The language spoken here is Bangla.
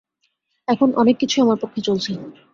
এখন অনেককিছুই আমার পক্ষে চলছে।